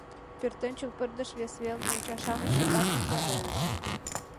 Пӧртӧнчыл пырдыж вес велне йоча-шамыч шыпак мутланеныт.